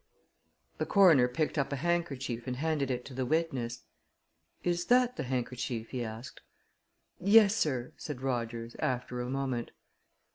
The coroner picked up a handkerchief and handed it to the witness. "Is that the handkerchief?" he asked. "Yes, sir," said Rogers, after a moment.